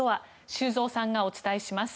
修造さんがお伝えします。